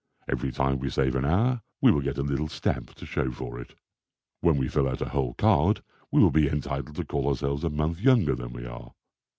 Every time we save an hour we will get a little stamp to show for it. When we fill out a whole card we will be entitled to call ourselves a month younger than we are.